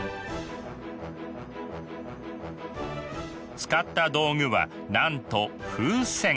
使った道具はなんと風船。